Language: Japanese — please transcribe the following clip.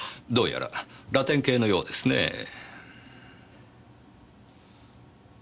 どうやらラテン系のようですねえ。